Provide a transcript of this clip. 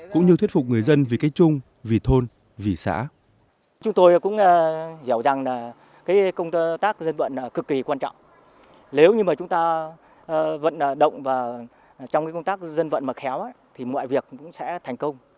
cũng như thuyết phục người dân vì cái chung vì thôn vị xã